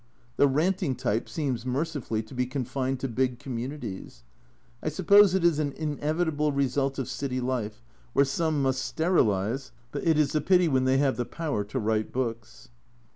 The ranting type seems mercifully to be confined to big communities ; I suppose it is an inevitable result of city life, where some must sterilise, but it is a pity when they have the power to write books.